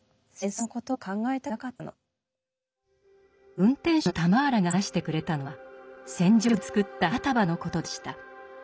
運転手のタマーラが話してくれたのは戦場で作った花束のことでした。